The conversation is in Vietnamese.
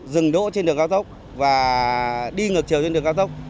dừng đỗ trên đường cao tốc và đi ngược chiều trên đường cao tốc